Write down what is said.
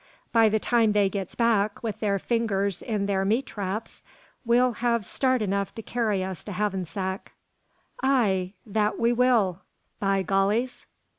By the time they gits back, with their fingers in thur meat traps, we'll hev start enough to carry us to Hackensack." "Ay, that we will, by gollies!"